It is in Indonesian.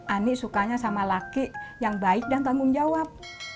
ani sukanya sama laki yang baik dan tanggung jawab